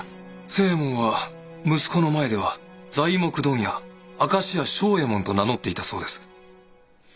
星右衛門は息子の前では材木問屋明石屋庄右衛門と名乗っていたそうです。